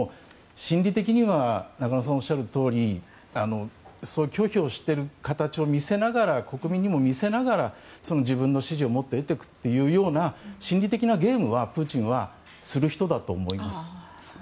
心理的には中野さんがおっしゃるとおり拒否をしている形を国民に見せながら自分の支持をもっと得ていくというような心理的なゲームは、プーチンはする人だと思います。